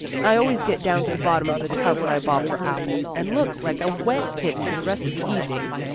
I always get down to the bottom of the tub when I bob for apples and look like a wet kitten for the rest of the evening."